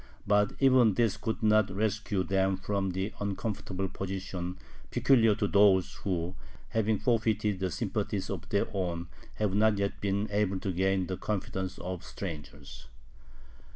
but even this could not rescue them from the uncomfortable position peculiar to those who, having forfeited the sympathies of their own, have not yet been able to gain the confidence of strangers.